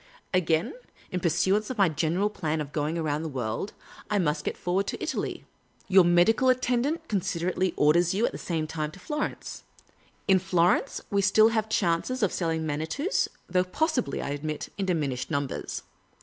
Again, in pursuance of my general plan of going round the world, I nuist get forward to Italy. i=;o Miss Cayley's Adventures. Your medical attendant considerately orders j'ou at the same lime to Florence. In Florence we shall still have chances of selling Manitous, though possibly, I admit, in diminished numbers.